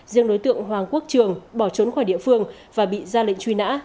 riêng đối tượng hoàng quốc trường bỏ trốn khỏi địa phương và bị ra lệnh truy nã